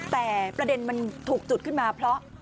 แต่ประเด็นมันถูกจุดขึ้นมาเพราะ